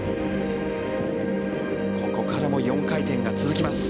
ここからも４回転が続きます。